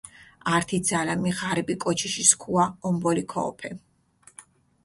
ართი ძალამი ღარიბი კოჩიში სქუა ომბოლი ქოჸოფე.